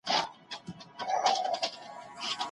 اسلام انسان خرڅول نه خوښوي.